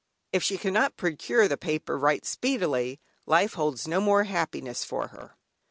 If she cannot procure the paper right speedily, life holds no more happiness for her.